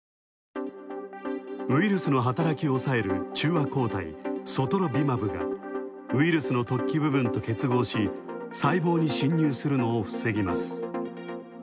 ウイルスの働きをオアシスエルサルバドル中和抗体、ソトロビマブは、ウイルスの突起部分と結合し、細胞に進入するのを防ぎます。